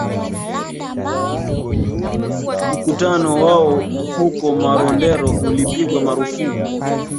Mkutano wao huko Marondera ulipigwa marufuku